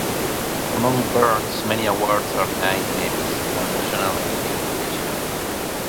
Among Burns' many awards are nine Emmys - one national and eight regional.